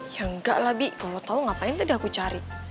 ya enggaklah bi kalau tau ngapain tuh udah aku cari